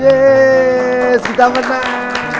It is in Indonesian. yes kita menang